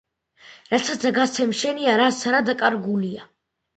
რასაცა გასცემ შენია რაცარა დაკარგულია